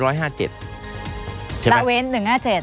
ละเว้น๑๕๗